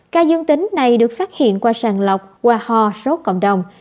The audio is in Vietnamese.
ca dương tính này được phát hiện qua sàn lọc qua ho số cộng đồng